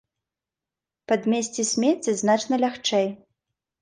Падмесці смецце значна лягчэй.